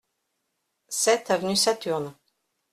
sept avenue Saturne